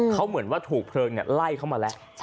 เขาเหมือนว่าถูกเพลิงไล่เข้ามาแล้ว